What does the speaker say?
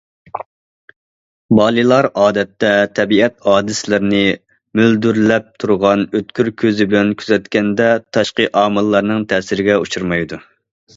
بالىلار ئادەتتە تەبىئەت ھادىسىلىرىنى مۆلدۈرلەپ تۇرغان ئۆتكۈر كۆزى بىلەن كۆزەتكەندە تاشقى ئامىللارنىڭ تەسىرىگە ئۇچرىمايدۇ.